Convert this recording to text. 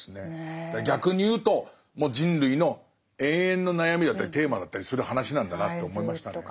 逆に言うともう人類の永遠の悩みだったりテーマだったりする話なんだなと思いましたね。